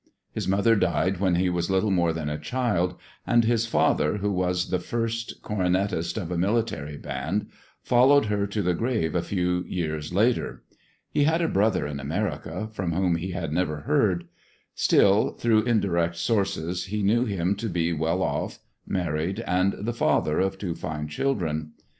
His mother died when he was little more than a child, and his father, who was the first cornetist of a military band, followed her to the grave a few years later. He had a brother in America from whom he had never heard; still, through indirect sources he knew him to be well off, married, and the father of two fine children.